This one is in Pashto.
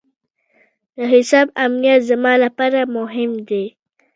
د حساب امنیت زما لپاره مهم دی.